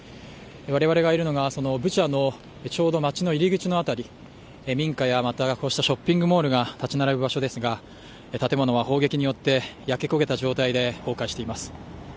我々がいるのがブチャのちょうど街の入り口の辺り民家やこうしたショッピングモールが立ち並ぶ場所ですが建物は砲撃によって焼け焦げた状態で崩壊しています。